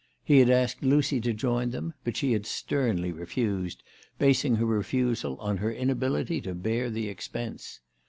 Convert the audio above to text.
He had asked Lucy to join them ; but she had sternly refused, basing her refusal on her inability to bear the expense.